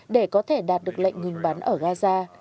để có thể đạt được lệnh ngừng bắn ở gaza